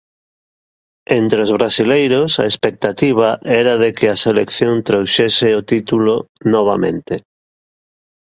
Entre os brasileiros a expectativa era de que a selección trouxese o título novamente.